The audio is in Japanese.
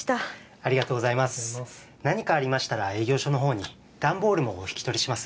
ありがとうございます何かありましたら営業所の方に段ボールもお引き取りします